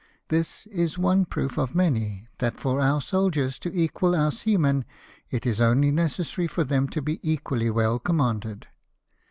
This is one proof, of many, that for our soldiers to equal our seamen it is only necessary for them to be equally well commanded.